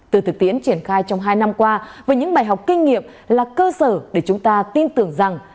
từ thực tiễn triển khai trong hai năm qua và những bài học kinh nghiệm là cơ sở để chúng ta tin tưởng rằng